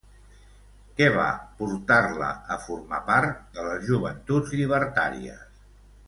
Què va portar-la a formar part de les Joventuts Llibertàries?